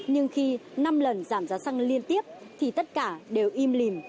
nhưng khi năm lần giảm giá xăng liên tiếp thì tất cả đều im lìm